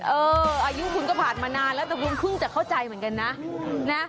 อายุคุณก็ผ่านมานานแล้วแต่คุณเพิ่งจะเข้าใจเหมือนกันนะ